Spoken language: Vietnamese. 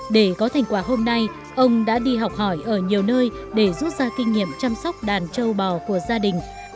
để có thành quả hôm nay ông đã đi học hỏi ở nhiều nơi để rút ra kinh nghiệm chăm sóc đàn châu bò của gia đình